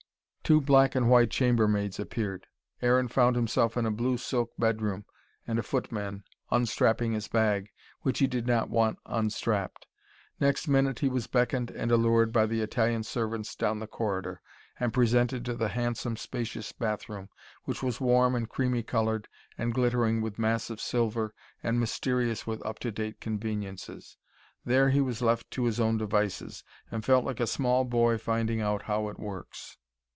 Two black and white chamber maids appeared. Aaron found himself in a blue silk bedroom, and a footman unstrapping his bag, which he did not want unstrapped. Next minute he was beckoned and allured by the Italian servants down the corridor, and presented to the handsome, spacious bathroom, which was warm and creamy coloured and glittering with massive silver and mysterious with up to date conveniences. There he was left to his own devices, and felt like a small boy finding out how it works.